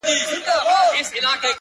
• چي ښخ کړی یې پلټن وو د یارانو,